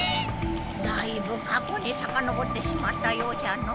だいぶ過去にさかのぼってしまったようじゃの。